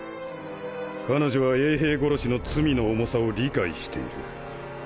彼女は衛兵殺しの罪の重さを理解している。